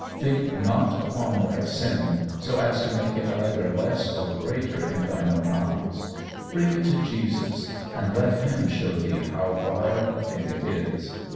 Think not about thy sin so as to make it either less or greater in thine own eyes. Bring it to Jesus, and let him show thee how vile a thing it is.